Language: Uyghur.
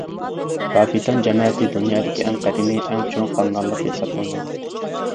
كاپىتان جەمەتى دۇنيادىكى ئەڭ قەدىمىي، ئەڭ چوڭ خانىدانلىق ھېسابلىنىدۇ.